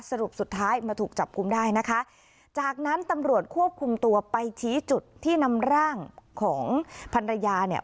สรุปสุดท้ายมาถูกจับกุมได้นะคะจากนั้นตำรวจควบคุมตัวไปชี้จุดที่นำร่างของพันรยาเนี่ย